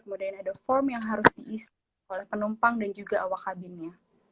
kemudian ada form yang harus diisi oleh penumpang dan juga awak kabinnya